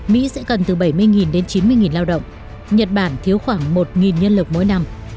mỹ sẽ cần từ bảy mươi đến chín mươi lao động nhật bản thiếu khoảng một nhân lực mỗi năm